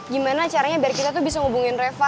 gimana caranya biar kita tuh bisa hubungin reva